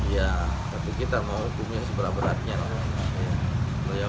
ya tapi kita mau hukumnya seberat beratnya lah